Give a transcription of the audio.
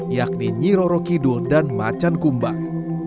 yakni nyirorokidul dan macan kumbang